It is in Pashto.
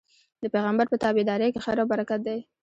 د پيغمبر په تابعدارۍ کي خير او برکت دی